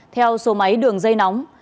theo số máy đường dây nóng